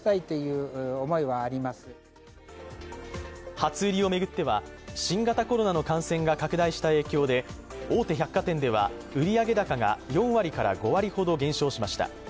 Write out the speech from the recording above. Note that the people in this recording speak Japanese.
初売りを巡っては新型コロナの感染が拡大した影響で大手百貨店では売上高が４割から５割ほど減少しました。